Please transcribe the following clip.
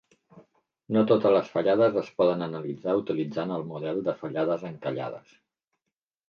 No totes les fallades es poden analitzar utilitzant el model de fallades encallades.